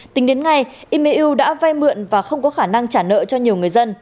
tính đến ngày imu đã vay mượn và không có khả năng trả nợ cho nhiều người dân